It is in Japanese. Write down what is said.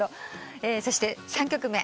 そして３曲目。